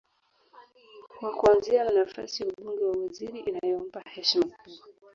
kwa kuanzia na nafasi ya ubunge na uwaziri inayompa heshima kubwa